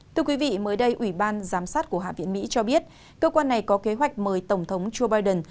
thưa quý vị mới đây ủy ban giám sát của hạ viện mỹ cho biết cơ quan này có kế hoạch mời tổng thống joe biden